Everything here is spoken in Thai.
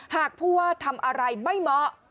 หากผู้ว่าทำอะไรไม่เหมาะ